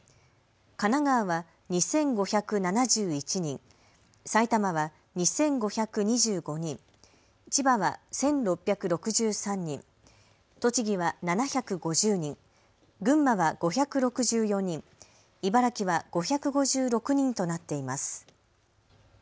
神奈川は２５７１人、埼玉は２５２５人、千葉は１６６３人、栃木は７５０人、群馬は５６４人、茨城は５５６人となっています。